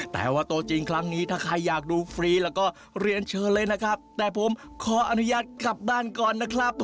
แต่ว่าตัวจริงครั้งนี้ถ้าใครอยากดูฟรีแล้วก็เรียนเชิญเลยนะครับแต่ผมขออนุญาตกลับบ้านก่อนนะครับ